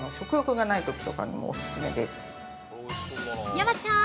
◆山ちゃん！